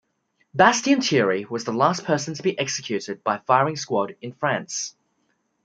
Bastien-Thiry was the last person to be executed by firing squad in France.